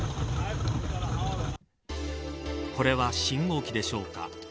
これは、信号機でしょうか。